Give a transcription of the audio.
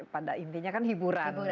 pada intinya kan hiburan